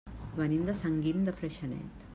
Venim de Sant Guim de Freixenet.